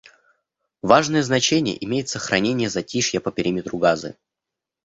Важное значение имеет сохранение «затишья» по периметру Газы.